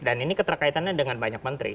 dan ini keterkaitannya dengan banyak menteri